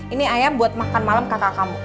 ini ayam buat makan malam kakak kamu